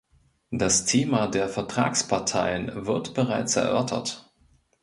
Das Thema der Vertragsparteien wird bereits erörtert.